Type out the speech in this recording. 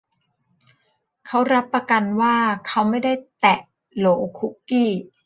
เขารับประกันว่าเขาไม่ได้แตะโหลคุกกี้